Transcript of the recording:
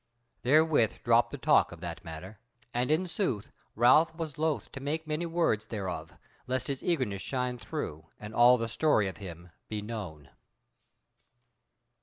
Therewith dropped the talk of that matter: and in sooth Ralph was loath to make many words thereof, lest his eagerness shine through, and all the story of him be known.